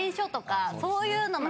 そういうのが。